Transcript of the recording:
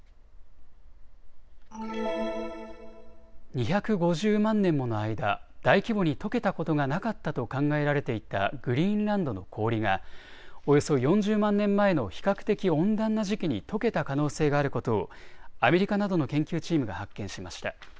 ２５０万年もの間、大規模にとけたことがなかったと考えられていたグリーンランドの氷がおよそ４０万年前の比較的温暖な時期にとけた可能性があることをアメリカなどの研究チームが発見しました。